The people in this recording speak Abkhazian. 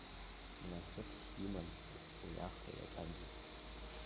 Насыԥ иман уи ахра иаҿаӡыз.